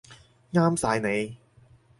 啱晒你